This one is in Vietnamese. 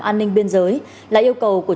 an ninh biên giới là yêu cầu của